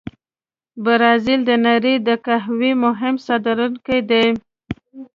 برازیل د نړۍ د قهوې مهم صادرونکي دي.